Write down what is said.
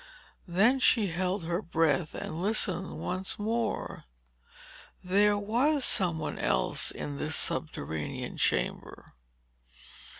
Then she held her breath and listened once more. There was some one else in this subterranean chamber.